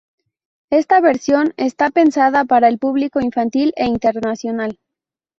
Esta versión está pensada para el público infantil e internacional.